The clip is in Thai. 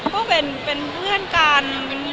ก็เป็นเพื่อนกัน